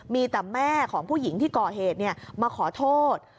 มีแต่แม่ของผู้หญิงที่ก่อเหตุมาขอโทษ